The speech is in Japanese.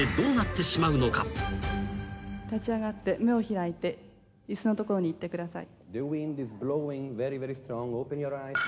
「立ち上がって目を開いて椅子のところに行ってください」